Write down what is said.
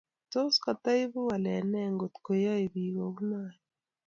tos koto ibuu walet nee ngot ko kiyai biik kou noee?